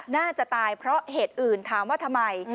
น่าจะตายเพราะเหตุอื่นถามว่าทำไม